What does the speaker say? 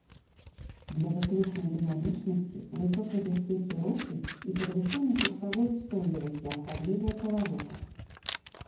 Для выключнай дынамічнасці, высокай бяспекі руху і падвышэнні курсавой устойлівасці, асабліва ў паваротах.